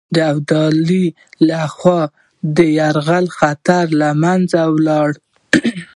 ابدالي له خوا د یرغل خطر له منځه ولاړ.